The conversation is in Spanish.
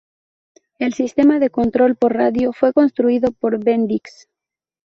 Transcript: El sistema de control por radio fue construido por Bendix.